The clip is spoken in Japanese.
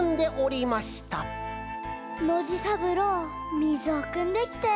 ノジさぶろうみずをくんできて。